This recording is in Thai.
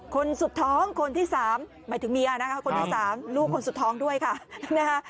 คนสุดท้องคนที่๓หมายถึงเมียนะคะคนที่๓ลูกคนสุดท้องด้วยค่ะนะฮะ